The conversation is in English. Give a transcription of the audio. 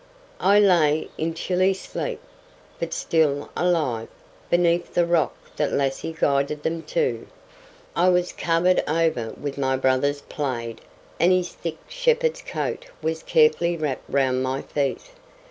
I lay in chilly sleep, but still alive, beneath the rock that Lassie guided them to. I was covered over with my brother's plaid, and his thick shepherd's coat was carefully wrapped round my feet.